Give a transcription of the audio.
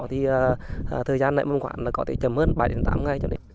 thì thời gian nãy mầm khoảng là có thể chậm hơn ba đến tám ngày cho nên